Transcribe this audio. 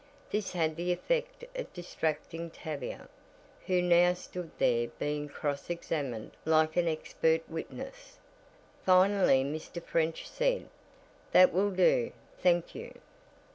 This had the effect of distracting Tavia, who now stood there being cross examined like an expert witness. Finally Mr. French said: "That will do, thank you."